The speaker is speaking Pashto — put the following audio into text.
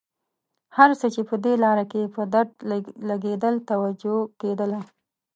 هر څه چې په دې لاره کې په درد لګېدل توجه کېدله.